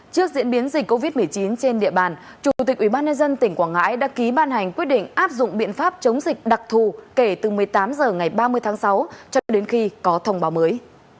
trước diễn biến dịch covid một mươi chín trên địa bàn chủ tịch ubnd tỉnh quảng ngãi đã ký ban hành quyết định áp dụng biện pháp chống dịch đặc thù kể từ một mươi tám h ngày ba mươi tháng sáu cho đến khi có thông báo mới